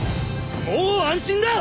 もう安心だ！